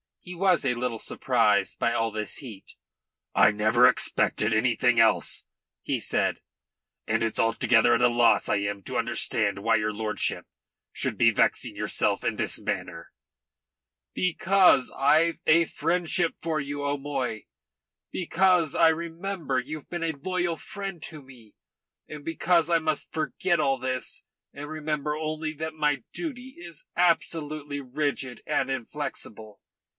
He was a little surprised by all this heat. "I never expected anything else," he said. "And it's altogether at a loss I am to understand why your lordship should be vexing yourself in this manner." "Because I've a friendship for you, O'Moy. Because I remember that you've been a loyal friend to me. And because I must forget all this and remember only that my duty is absolutely rigid and inflexible.